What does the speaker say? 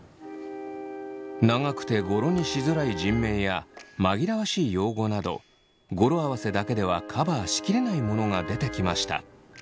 長くて語呂にしづらい人名や紛らわしい用語など語呂合わせだけではカバーし切れないものが出てきました。